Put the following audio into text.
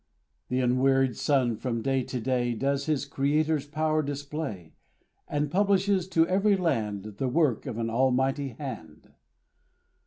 Th' unwearied Sun from day to day Does his Creator's power display; And publishes to every land The work of an Almighty hand.